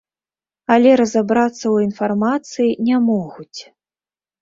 Але разабрацца ў інфармацыі не могуць.